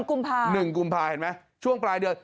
กุมภา๑กุมภาเห็นไหมช่วงปลายเดือน